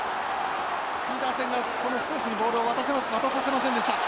ピーターセンがそのスペースにボールを渡させませんでした。